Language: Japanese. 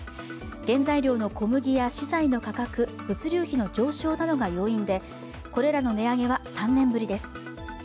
原材料の小麦や資材の価格、物流費の上昇などが要因でこれらの値上げは３年ぶりです。